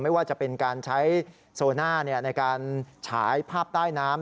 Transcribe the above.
ไม่ว่าจะเป็นการใช้โซน่าในการฉายภาพใต้น้ำ